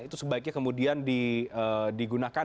itu sebaiknya kemudian digunakan